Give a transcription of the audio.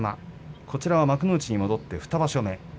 こちらは幕内に戻って２場所目。